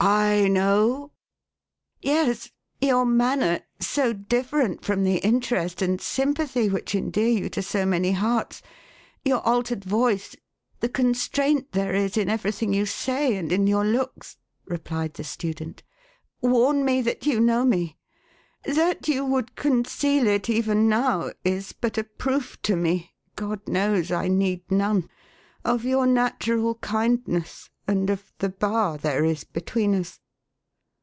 "/ know ?" "Yes! Your manner, so different from the interest and sympathy which endear you to so many hearts, your altered voice, the constraint there is in everything you say, and in your looks,11 replied the student, "warn me that you know me. That you would conceal it, even now, is but a proof to me (God knows I need none !) of your natural kindness, and of the bar there is between us."